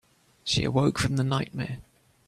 She awoke from the nightmare.